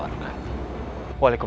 waalaikumsalam warahmatullahi wabarakatuh